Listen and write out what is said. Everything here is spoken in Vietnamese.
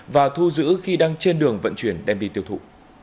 và thu giữ khi đang trên đường vận chuyển đem đi tiêu thụ